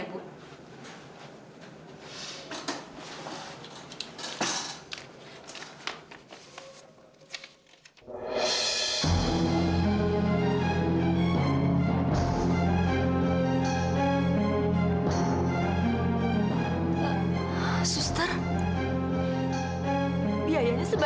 apakah salah sus